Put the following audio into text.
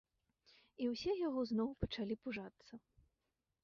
І ўсе яго зноў пачалі пужацца.